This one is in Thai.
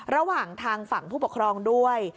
ระหว่างทางฝั่งผู้ปกครองด้วย